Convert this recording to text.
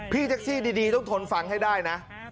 พี่แท็กซี่ดีต้องทนฟังให้ได้นะ